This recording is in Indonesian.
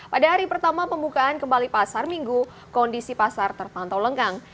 pada hari pertama pembukaan kembali pasar minggu kondisi pasar terpantau lenggang